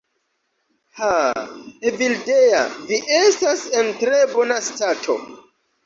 Ha! Evildea, vi estas en tre bona stato.